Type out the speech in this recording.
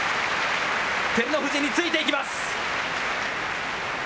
照ノ富士についていきます。